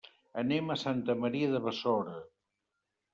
Anem a Santa Maria de Besora.